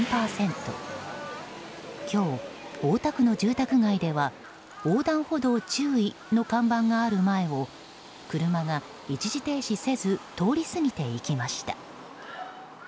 今日、大田区の住宅街では横断歩道注意の看板がある前を車が一時停止せず通り過ぎていきました。